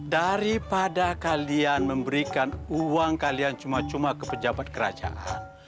daripada kalian memberikan uang kalian cuma cuma ke pejabat kerajaan